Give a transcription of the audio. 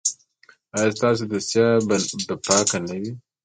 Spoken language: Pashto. ایا ستاسو دوسیه به پاکه نه وي؟